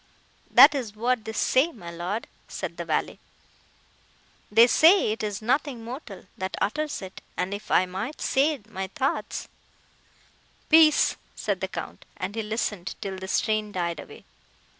"That is what they say, my Lord," said the valet; "they say it is nothing mortal, that utters it; and if I might say my thoughts—" "Peace!" said the Count, and he listened till the strain died away.